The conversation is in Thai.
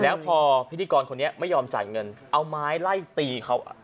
แล้วพอพิธีกรคนนี้ไม่ยอมจ่ายเงินเอาไม้ไล่ตีเขา